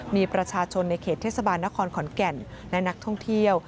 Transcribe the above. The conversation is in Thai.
มีประชาชนในเขตเทศบาลนครขอนแก่นและนักท่องเที่ยว